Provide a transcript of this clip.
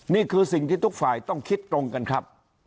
นี่คือสิ่งที่ทุกฝ่ายต้องคิดตรงกันครับ